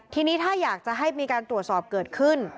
ทีนี้ถ้าอยากจะให้มีการตรวจสอบเกิดขึ้น